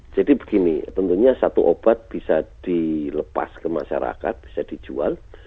jadi begini tentunya satu obat bisa dilepas ke masyarakat bisa dijual